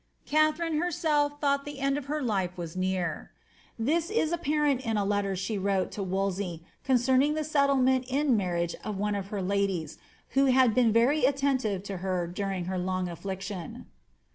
Katharine herself thought the eod of her life was near. This is apparent in a letter she wrote to Wdsey, concerning the settlement in marriage of one of her ladies, who had been very attentive to her during her long affliction.